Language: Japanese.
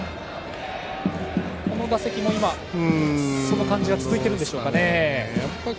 この打席も、その感じは続いているでしょうかね。